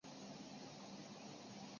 海蟑螂有抱卵的习性。